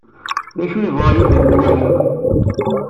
D acu i yebɣa Yuba ad t-nwali?